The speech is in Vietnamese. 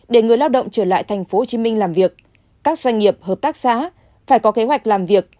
để người lao động trở lại tp hcm làm việc các doanh nghiệp hợp tác xã phải có kế hoạch làm việc